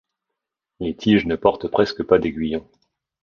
Les tiges ne portent presque pas d'aiguillons.